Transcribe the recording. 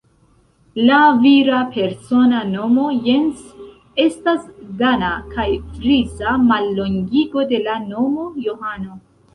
La vira persona nomo Jens estas dana kaj frisa mallongigo de la nomo Johano.